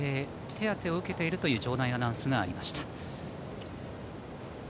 手当てを受けているという場内アナウンスがありました。